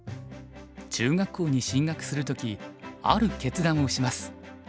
中学校に進学する時ある決断をします。